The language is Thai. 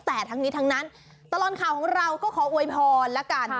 แต่ทั้งนี้ทั้งนั้นตลอดข่าวของเราก็ขออวยพรแล้วกัน